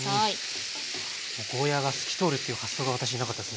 ゴーヤーが透き通るという発想が私になかったですね。